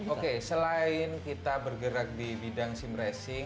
oke selain kita bergerak di bidang simracing